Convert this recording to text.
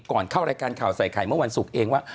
เข้ารายการข่าวใส่ไข่เมื่อวันศุกร์เองว่า